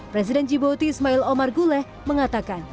presiden djibouti ismail omar gouleh mengatakan